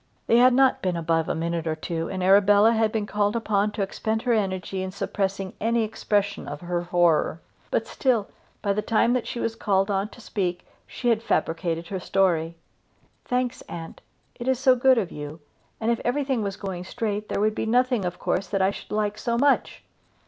They had not been above a minute or two together, and Arabella had been called upon to expend her energy in suppressing any expression of her horror; but still, by the time that she was called on to speak, she had fabricated her story. "Thanks, aunt; it is so good of you; and if everything was going straight, there would be nothing of course that I should like so much."